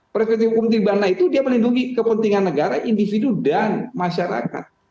perspektif hukum pidana itu dia melindungi kepentingan negara individu dan masyarakat